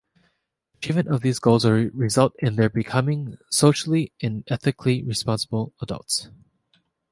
Achievement of these goals will result in their becoming socially and ethically responsible adults.